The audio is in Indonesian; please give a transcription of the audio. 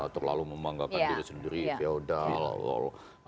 terlalu memanggakan diri sendiri yaudah